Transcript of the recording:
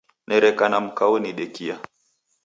Nereka na mka onidekia.